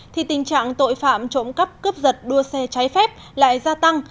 thì tình trạng tội phạm trộm cắp cướp giật đua xe trái phép lại gia tăng